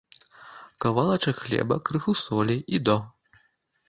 Кавалачак хлеба, крыху солі, і до!